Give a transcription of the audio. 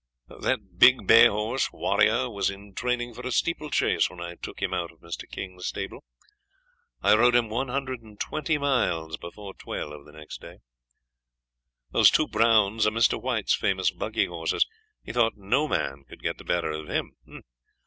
That big bay horse, Warrior, was in training for a steeplechase when I took him out of Mr. King's stable. I rode him 120 miles before twelve next day. Those two browns are Mr. White's famous buggy horses. He thought no man could get the better of him.